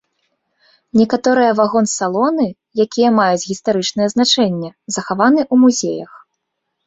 Некаторыя вагон-салоны, якія маюць гістарычнае значэнне, захаваны ў музеях.